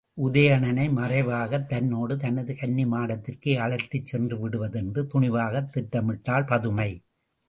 உதயணனை மறைவாகத் தன்னோடு தனது கன்னி மாடத்திற்கே அழைத்துச் சென்று விடுவது என்று துணிவாகத் திட்டமிட்டாள் பதுமை.